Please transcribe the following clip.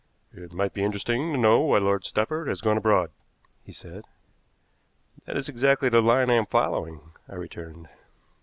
"It might be interesting to know why Lord Stanford has gone abroad," he said. "That is exactly the line I am following," I returned.